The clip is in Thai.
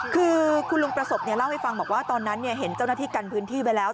คือคุณลุงประสบเล่าให้ฟังบอกว่าตอนนั้นเห็นเจ้าหน้าที่กันพื้นที่ไว้แล้ว